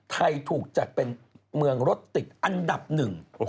ไทยถูกจัดเป็นเมืองรถติดอันดับหนึ่งโอ้โห